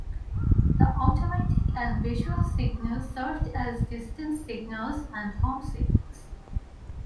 The automatic and visual signal served as distant signals and home signals.